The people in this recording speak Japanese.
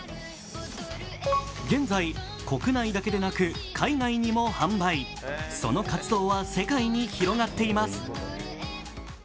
現在、国内だけでなく海外にも販売その活動は世界に広がっています。